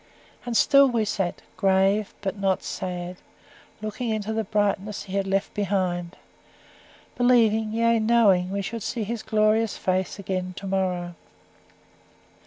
And still we sat grave, but not sad looking into the brightness he had left behind; believing, yea, knowing, we should see his glorious face again to morrow.